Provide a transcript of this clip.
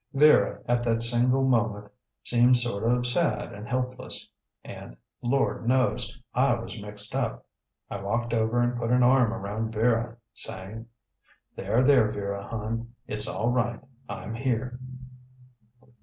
Vera at that single moment seemed sort of sad and helpless. And, Lord knows, I was mixed up. I walked over and put an arm around Vera, saying, "There, there, Vera, hon. It's all right. I'm here."